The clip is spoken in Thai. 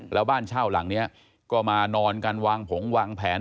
แล้วบ้านเช่าหลังนี้ก็มานอนกันวางผงวางแผน